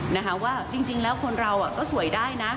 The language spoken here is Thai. นะคะว่าจริงแล้วคนเราก็สวยได้นะ